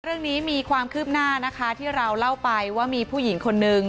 เรื่องนี้มีความคืบหน้านะคะที่เราเล่าไปว่ามีผู้หญิงคนนึง